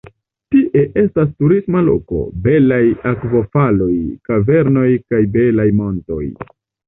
Tie estas turisma loko, belaj akvo-faloj, kavernoj kaj belaj montoj.